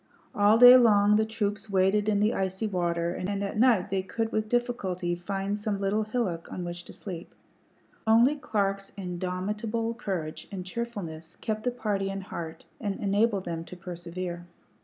All day long the troops waded in the icy water, and at night they could with difficulty find some little hillock on which to sleep. Only Clark's indomitable courage and cheerfulness kept the party in heart and enabled them to persevere.